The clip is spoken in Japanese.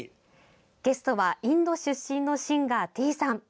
ゲストは、インド出身のシンガーｔｅａさん。